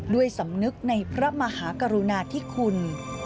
ด้วยสำนึกในพระมหากรุณาธิคุณ